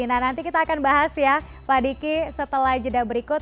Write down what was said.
nah nanti kita akan bahas ya pak diki setelah jeda berikut